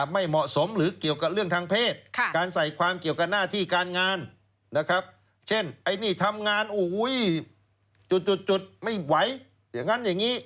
ไม่เหมาะสมหรือเกี่ยวกับเรื่องทางเพศการใส่ความเกี่ยวกับหน้าที่การงานนะครับเช่นไอ้นี่ทำงานโอ้โหจุดไม่ไหวอย่างนั้นอย่างนี้